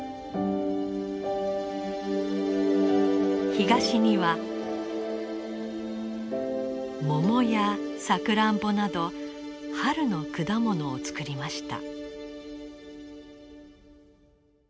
東にはモモやサクランボなど春の果物を作りました。